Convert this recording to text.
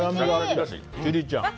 千里ちゃん。